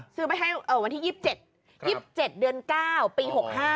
ซื้อไปให้วันที่๒๗๒๗เดือน๙ปี๖๕